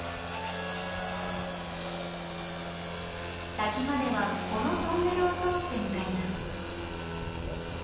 滝まではこのトンネルを通って向かいます。